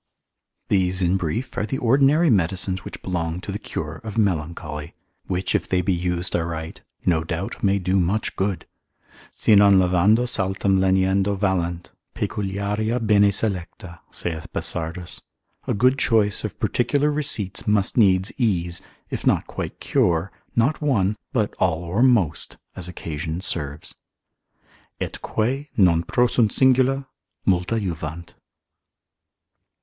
These in brief are the ordinary medicines which belong to the cure of melancholy, which if they be used aright, no doubt may do much good; Si non levando saltem leniendo valent, peculiaria bene selecta, saith Bessardus, a good choice of particular receipts must needs ease, if not quite cure, not one, but all or most, as occasion serves. Et quae non prosunt singula, multa juvant.